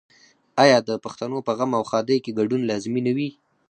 آیا د پښتنو په غم او ښادۍ کې ګډون لازمي نه وي؟